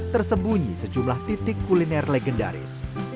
tersembunyi sejumlah titik kuliner legendaris